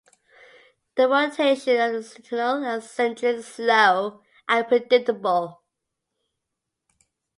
The rotation of the Sentinel and the Sentries is slow and predictable.